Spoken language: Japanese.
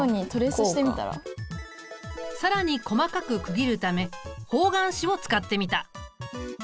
更に細かく区切るため方眼紙を使ってみた。